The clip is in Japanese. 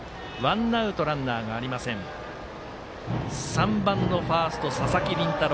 ３番のファースト、佐々木麟太郎。